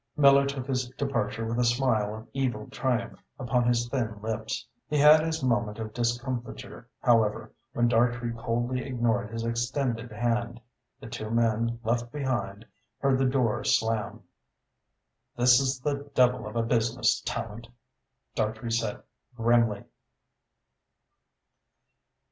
Miller took his departure with a smile of evil triumph upon his thin lips. He had his moment of discomfiture, however, when Dartrey coldly ignored his extended hand. The two men left behind heard the door slam. "This is the devil of a business, Tallente!" Dartrey said grimly.